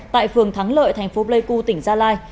tại phường thắng lợi thành phố pleiku tỉnh gia lai